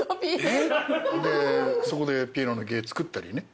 でそこでピエロの芸作ったりね。